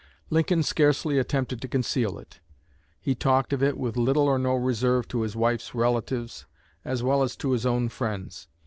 Lincoln scarcely attempted to conceal it. He talked of it with little or no reserve to his wife's relatives, as well as to his own friends.